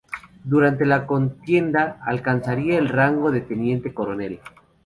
Durante la contienda alcanzaría el rango de teniente coronel.